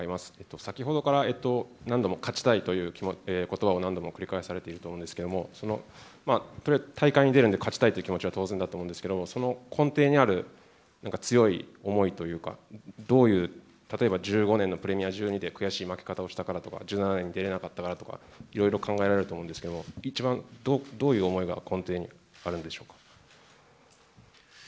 先ほどから、何度も勝ちたいということばを、何度も繰り返されていると思うんですけども、大会に出るんで、勝ちたいという気持ちは当然だと思うんですけど、その根底にあるなんか強い思いというか、どういう、例えば１５年のプレミア１２で悔しい負け方をしたからとか、１７年に出れなかったからとか、いろいろ考えられると思うんですけど、一番、どういう思いが根底にあるんでしょうか。